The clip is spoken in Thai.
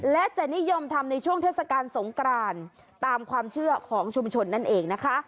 และจะนิยมทำในช่วงเทศกาลสงกรานตามความเชื่อของชุมชนนั่นเองนะคะ